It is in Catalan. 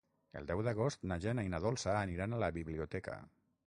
El deu d'agost na Jana i na Dolça aniran a la biblioteca.